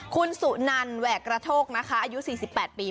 คุณสุนันแหวกกระโทกนะคะอายุ๔๘ปี